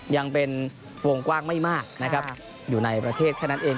ยังเป็นวงกว้างไม่มากนะครับอยู่ในประเทศแค่นั้นเอง